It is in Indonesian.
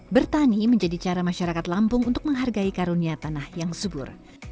bertani menjadi cara masyarakat lampung untuk menghargai karunia tanah yang subur